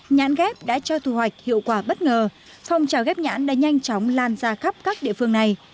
nhãn ghép đã cho thu hoạch hiệu quả bất ngờ phong trào ghép nhãn đã nhanh chóng lan ra khắp các địa phương này